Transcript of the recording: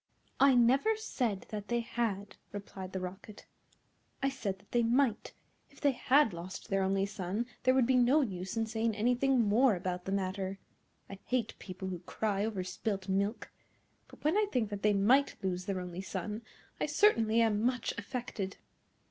"I never said that they had," replied the Rocket; "I said that they might. If they had lost their only son there would be no use in saying anything more about the matter. I hate people who cry over spilt milk. But when I think that they might lose their only son, I certainly am much affected."